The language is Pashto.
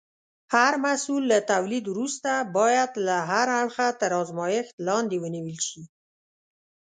هر محصول له تولید وروسته باید له هر اړخه تر ازمېښت لاندې ونیول شي.